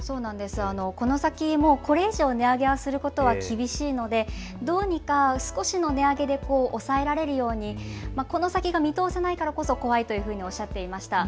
この先、これ以上値上げすることは厳しいのでどうにか少しの値上げで抑えられるようにこの先が見通せないからこそ怖いとおっしゃっていました。